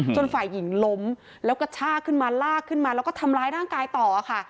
ฝ่ายหญิงล้มแล้วก็ชากขึ้นมาลากขึ้นมาแล้วก็ทำร้ายร่างกายต่อค่ะ